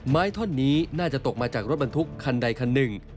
ท่อนนี้น่าจะตกมาจากรถบรรทุกคันใดคันหนึ่ง